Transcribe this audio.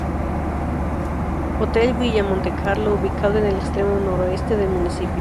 Hotel Villa Montecarlo, ubicado en el extremo noroeste del municipio.